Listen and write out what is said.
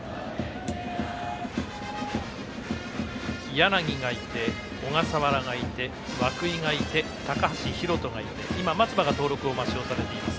柳がいて小笠原いて、涌井がいて高橋宏斗がいて、今は松葉が登録抹消されています。